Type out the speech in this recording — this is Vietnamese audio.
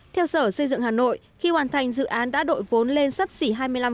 theo sở xây dựng hà nội khi hoàn thành dự án đã đội vốn lên sấp xỉ hai mươi năm